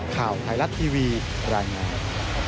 ข่าวไทยรัฐทีวีรายงาน